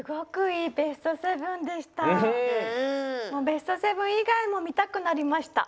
ベスト７いがいも見たくなりました。